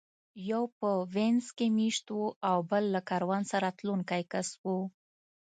یو په وینز کې مېشت و او بل له کاروان سره تلونکی کس و